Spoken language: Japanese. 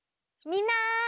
みんな！